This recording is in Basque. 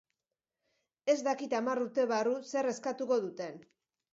Ez dakit hamar urte barru zer eskatuko duten.